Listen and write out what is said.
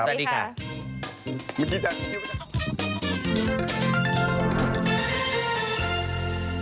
วันนี้ลาเป็นก่อน